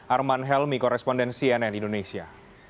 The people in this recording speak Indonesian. arman helmi koresponden cnn indonesia